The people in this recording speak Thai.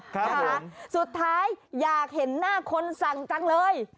ค่ะนะคะสุดท้ายอยากเห็นหน้าคนสั่งจังเลย